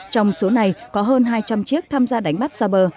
trong số này có hơn hai trăm linh chiếc tham gia đánh bắt xa bờ